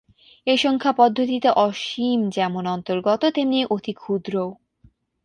এই সংখ্যা পদ্ধতিতে অসীম যেমন অন্তর্গত, তেমনি অতিক্ষুদ্রও।